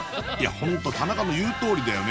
ホント田中の言うとおりだよね